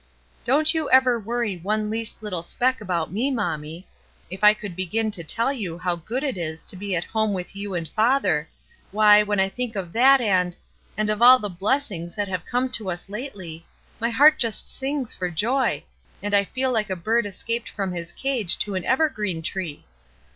''Don't you ever worry one least little speck about me, mommie. If I could begin to tell you how good it is to be at home with you and father, why, when I think of that and — and of all the blessings that have come to us lately, ^y heart just smgs for joy, and I feel like a 328 ESTER RIED'S NAMESAKE bird escaped from his cage to an evergreen tree.